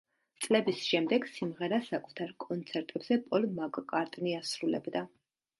წლების შემდეგ სიმღერას საკუთარ კონცერტებზე პოლ მაკ-კარტნი ასრულებდა.